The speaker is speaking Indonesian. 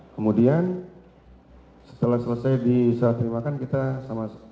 kemudian setelah selesai diseraterimakan kita sama